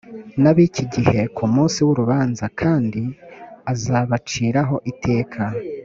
n ab iki gihe ku munsi w urubanza kandi azabaciraho iteka